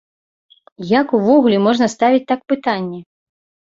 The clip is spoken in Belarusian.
Як увогуле можна ставіць так пытанне!